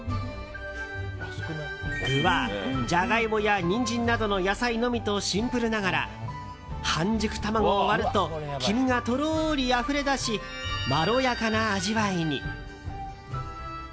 具はジャガイモやニンジンなどの野菜のみとシンプルながら半熟卵を割ると黄身がとろりあふれ出しまろやかな味わいに。